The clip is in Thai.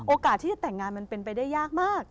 โอกาสที่จะแต่งงานมันเป็นไปได้ยากมาก